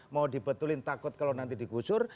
mau dibetulin takut kalau nanti digusur